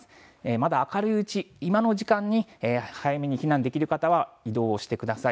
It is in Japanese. まだ明るいうち、今の時間に早めに避難できる方は移動をしてください。